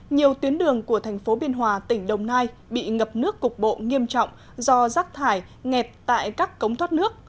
nhiều tuyến đường của thành phố biên hòa tỉnh đồng nai bị ngập nước cục bộ nghiêm trọng do rác thải nghẹt tại các cống thoát nước